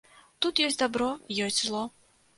Тут ёсць дабро, ёсць зло.